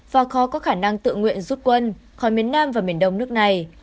và khó có khả năng tự nguyện rút quân khỏi miền nam và miền đông nước này